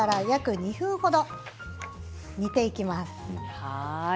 約２分ほど煮ていきます。